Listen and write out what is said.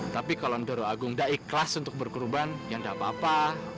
tapi kalau nurul agung tidak ikhlas untuk berkurban ya tidak apa apa